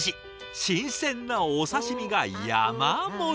新鮮なお刺身が山盛り！